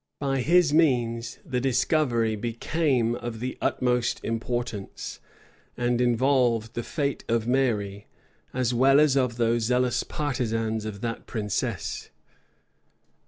By his means, the discovery became of the utmost importance, and involved the fate of Mary, as well as of those zealous partisans of that princess.